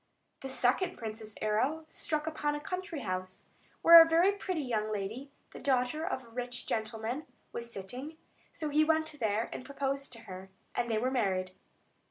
The second prince's arrow struck upon a country house, where a very pretty young lady, the daughter of a rich gentleman, was sitting; so he went there, and proposed to her, and they were married.